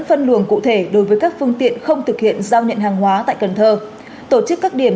phân luồng cụ thể đối với các phương tiện không thực hiện giao nhận hàng hóa tại cần thơ tổ chức các điểm